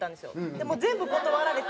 でもう全部断られて。